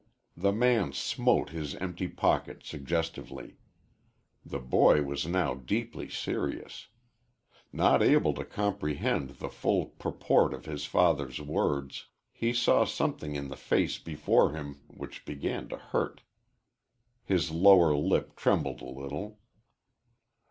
The man smote his empty pocket suggestively. The boy was now deeply serious. Not able to comprehend the full purport of his father's words, he saw something in the face before him which began to hurt. His lower lip trembled a little.